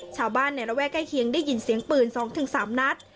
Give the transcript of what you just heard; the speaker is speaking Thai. ชาวบ้านในระแวกใกล้เคียงได้ยินเสียงปืน๒๓นัด